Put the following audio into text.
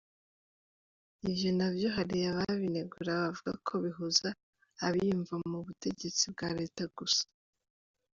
Ivyo navyo hari ababinegura bavuga ko bihuza abiyumva mu butegetsi bwa leta gusa.